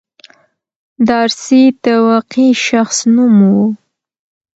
دارسي د واقعي شخص نوم و.